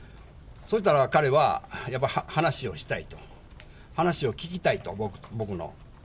そしたら彼は、やっぱり話をしたいと、話を聞きたいと、僕の。